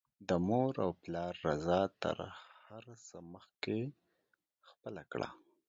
د مور او پلار رضاء تر هر څه مخکې خپله کړه